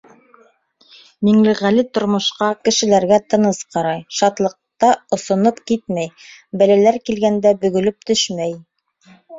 Миңлеғәле тормошҡа, кешеләргә тыныс ҡарай: шатлыҡта осоноп китмәй, бәләләр килгәндә бөгөлөп төшмәй.